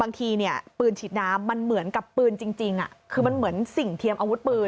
บางทีเนี่ยปืนฉีดน้ำมันเหมือนกับปืนจริงคือมันเหมือนสิ่งเทียมอาวุธปืน